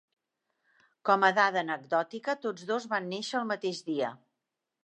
Com a dada anecdòtica, tots dos van néixer el mateix dia.